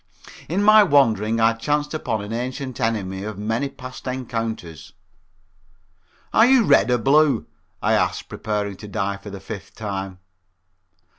In my wandering I chanced upon an ancient enemy of many past encounters. "Are you Red or Blue?" I asked, preparing to die for the fifth time.